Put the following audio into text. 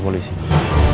harus sampe itu